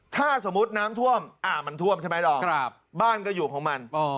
ถ้าสมมุติน้ำทวบอ่ะมันทวบใช่ไหมบ้านก็อยู่ของมัน